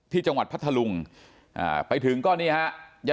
ที่จังหวัดพัทลุงไปถึงก็เนี้ยฮะ